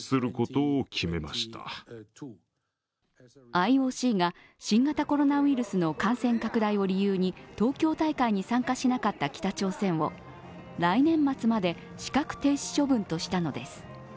ＩＯＣが新型コロナウイルスの感染拡大を理由に東京大会に参加しなかった北朝鮮を来年末まで資格停止処分としたのです。